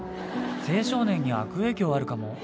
青少年に悪影響あるかも。